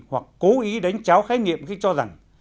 hoặc cố ý đánh cháo khái niệm khi cho rằng